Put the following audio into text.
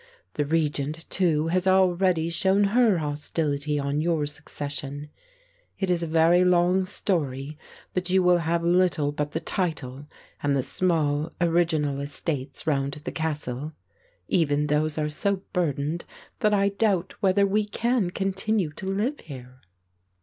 The regent, too, has already shown her hostility on your succession. It is a very long story; but you will have little but the title and the small original estates round the Castle. Even those are so burdened that I doubt whether we can continue to live here."